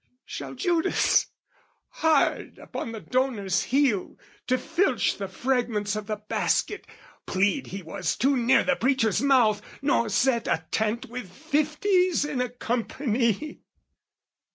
Shall Judas, hard upon the donor's heel, To filch the fragments of the basket, plead He was too near the preacher's mouth, nor sat Attent with fifties in a company?